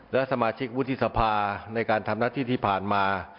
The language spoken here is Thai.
และสมาชิกวุฒิสภาในการทำหน้าที่ที่ผ่านมา